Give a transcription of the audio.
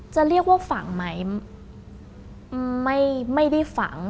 จะเรียกว่าฝังไหมไม่ได้ฝัง